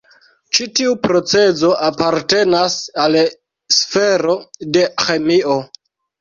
Ĉi tiu procezo apartenas al sfero de ĥemio.